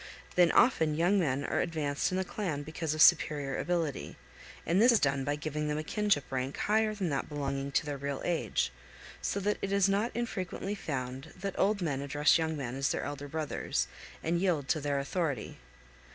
Then often young men are advanced in the clan because of superior ability, and this is done by giving them a kinship rank higher than that belonging to their real age; so that it is not infrequently found that old men address young men as their elder brothers and yield to their authority.